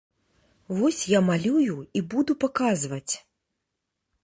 Вось я малюю і буду паказваць!